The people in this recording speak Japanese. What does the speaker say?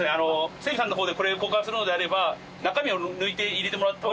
整備さんの方でこれ交換するのであれば中身を抜いて入れてもらった方が。